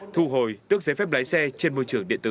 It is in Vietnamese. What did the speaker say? thu hồi tước giấy phép lái xe trên môi trường điện tử